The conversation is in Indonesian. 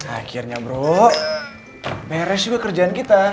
akhirnya bro beres juga kerjaan kita